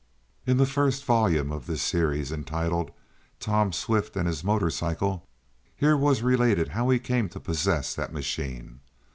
In the first volume of this series, entitled "Tom Swift and his Motor Cycle," here was related how he came to possess that machine.